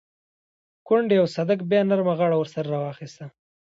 کونډې او صدک بيا نرمه غاړه ورسره راواخيسته.